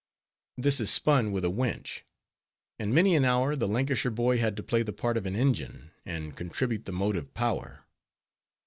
_ This is spun with a winch; and many an hour the Lancashire boy had to play the part of an engine, and contribute the motive power.